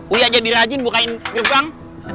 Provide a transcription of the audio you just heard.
uya jadi rajin bukain gerbang